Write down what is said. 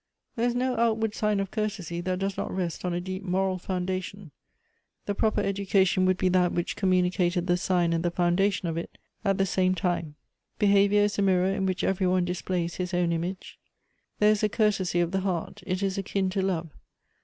" There is no outward sign of courtesy that does not rest on a deep moral foundation. The proper education would be that which communicated the sign and the foundation of it at the same time. "Behavior is a mirror in which every one displays his own image. " There is a courtesy of the heart. It is akin to love.